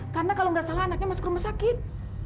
karena kalau nggak salah anaknya masuk ke rumah sakit